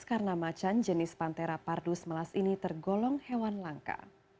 karena macan jenis pantera pardus melas ini tergolong hewan langka